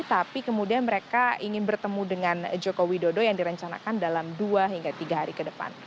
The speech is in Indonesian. tapi kemudian mereka ingin bertemu dengan joko widodo yang direncanakan dalam dua hingga tiga hari ke depan